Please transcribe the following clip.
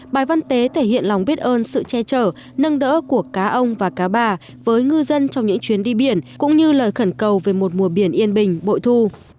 bài văn tế thể hiện lòng biết ơn sự che chở nâng đỡ của cá ông và cá bà với ngư dân trong những chuyến đi biển cũng như lời khẩn cầu về một mùa biển yên bình bội thu